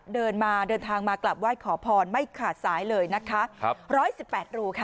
เดินมาเดินทางมากลับไหว้ขอพรไม่ขาดสายเลยนะคะครับร้อยสิบแปดรูค่ะ